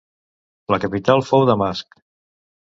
La capital fou Damasc.